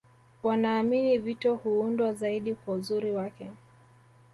Wanaamini vito huundwa zaidi kwa uzuri wake